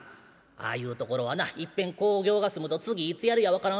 ああいう所はないっぺん興行が済むと次いつやるや分からん。